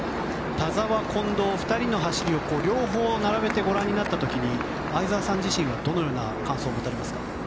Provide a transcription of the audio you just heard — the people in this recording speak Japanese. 田澤、近藤２人の走りを両方並べてご覧になった時に相澤さん自身はどのような感想を持たれますか？